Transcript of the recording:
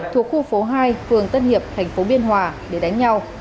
thuộc khu phố hai phường tân hiệp thành phố biên hòa để đánh nhau